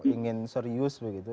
ingin serius begitu